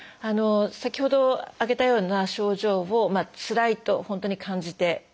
先ほど挙げたような症状をつらいと本当に感じてる方。